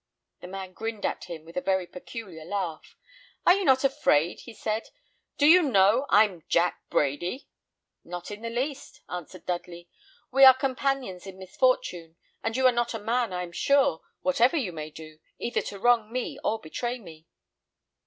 The man grinned at him with a very peculiar laugh. "Are you not afraid?" he said. "Do you know I'm Jack Brady?" "Not in the least," answered Dudley, "We are companions in misfortune, and you are not a man, I am sure, whatever you may do, either to wrong me or betray me."